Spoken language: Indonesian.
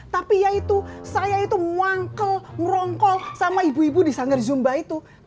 tunggu fb kita dapet si paul